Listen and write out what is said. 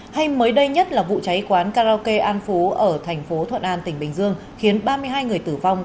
hay mới đây nhất là vụ cháy quán karaoke an phú ở thành phố thuận an tỉnh bình dương khiến ba mươi hai người tử vong